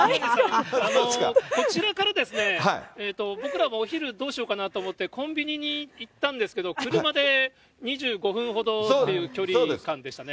こちらからですね、僕らもお昼、どうしようかなと思って、コンビニに行ったんですけど、車で２５分ほどっていう距離でしたね。